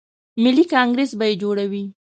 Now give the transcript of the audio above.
ملي کانګریس به یې جوړوي.